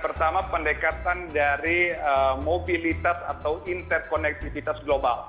pertama pendekatan dari mobilitas atau interkonektivitas global